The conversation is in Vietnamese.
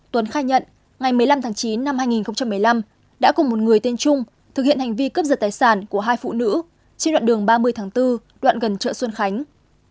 tuấn khai nhận ngày một mươi năm tháng chín năm hai nghìn một mươi năm đã cùng một người tên trung thực hiện hành vi cướp giật tài sản của hai phụ nữ trên đoạn đường ba mươi tháng bốn đoạn gần chợ xuân khánh